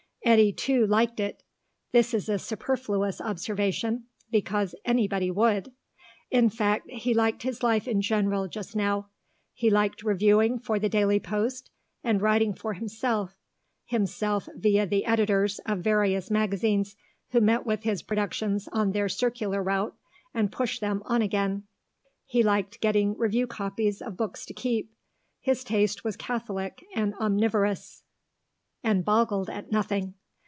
Eddy, too, liked it. (This is a superfluous observation, because anybody would.) In fact, he liked his life in general just now. He liked reviewing for the Daily Post and writing for himself (himself via the editors of various magazines who met with his productions on their circular route and pushed them on again). He liked getting review copies of books to keep; his taste was catholic and omnivorous, and boggled at nothing.